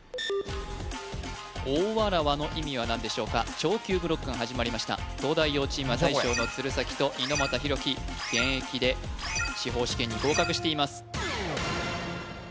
おおわらわの意味は何でしょうか超級ブロックが始まりました東大王チームは大将の鶴崎と猪俣大輝現役で司法試験に合格しています